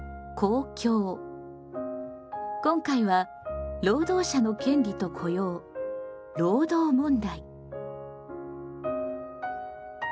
今回は「労働者の権利と雇用・労働問題」。